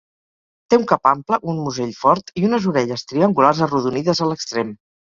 Té un cap ample, un musell fort i unes orelles triangulars arrodonides a l'extrem.